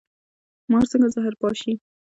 مار څنګه زهر پاشي؟